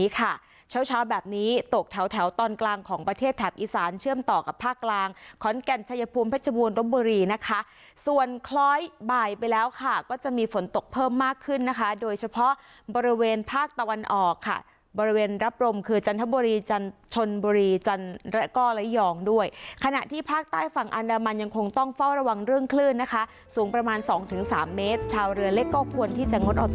แก่นชัยภูมิเพชรบูรณ์รบบุรีนะคะส่วนคล้อยบ่ายไปแล้วค่ะก็จะมีฝนตกเพิ่มมากขึ้นนะคะโดยเฉพาะบริเวณภาคตะวันออกค่ะบริเวณรับลมคือจันทบุรีจันทนบุรีจันระกล้อและหย่อมด้วยขณะที่ภาคใต้ฝั่งอันดามันยังคงต้องเฝ้าระวังเรื่องคลื่นนะคะสูงประมาณ๒๓เมตรชาวเรือเล็กก็ควรที่